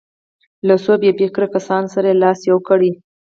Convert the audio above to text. له څو بې فکرو کسانو سره یې لاس یو کړ.